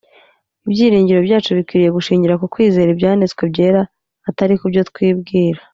Ibyiringiro byacu bikwiriye gushingira ku kwizera Ibyanditswe Byera atari ku byo twibwira.